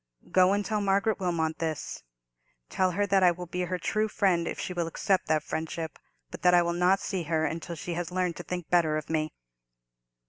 Go and tell Margaret Wilmot this: tell her that I will be her true friend if she will accept that friendship, but that I will not see her until she has learned to think better of me."